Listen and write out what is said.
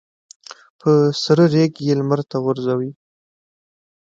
په سره ریګ یې لمر ته غورځوي.